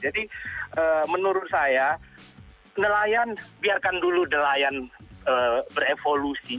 jadi menurut saya nelayan biarkan dulu nelayan berevolusi